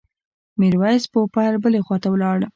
میرویس پوپل بلې خواته ولاړ.